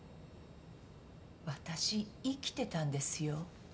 私生きてたんですよ。